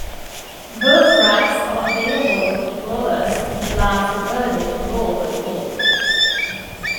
Both racks are available with rollers which allows the Birdy to roll when folded.